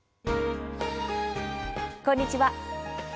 こんにちは。